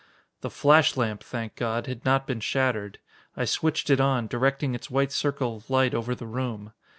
The flash lamp, thank God! had not been shattered. I switched it on, directing its white circle of light over the room.